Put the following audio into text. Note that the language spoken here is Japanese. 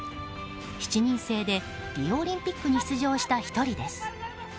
７人制でリオオリンピックに出場した１人です。